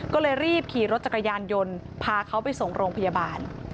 ก็เลยรีบขี่รถจักรยานยนต์พาเขาไปส่งโรงพยาบาล